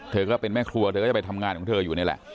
เธอก็เป็นแม่ครัวเธอก็จะไปทำงานของเธออยู่นี่แหละ